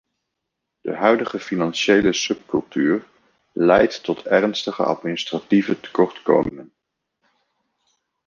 De huidige financiële subcultuur leidt tot ernstige administratieve tekortkomingen.